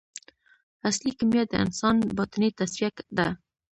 اصلي کیمیا د انسان باطني تصفیه ده.